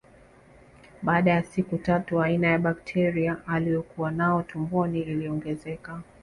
Baada ya siku tatu aina ya bakteria aliokuwa nao tumboni iliongezeka